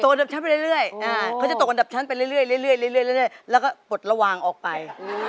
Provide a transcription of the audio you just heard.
อันดับชั้นไปเรื่อยเขาจะตกอันดับชั้นไปเรื่อยแล้วก็ปลดระหว่างออกไป